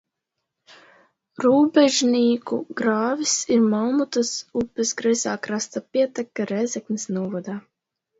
Rūbežnīku grāvis ir Malmutas upes kreisā krasta pieteka Rēzeknes novadā.